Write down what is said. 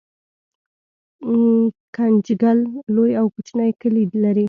ګنجګل لوی او کوچني کلي لري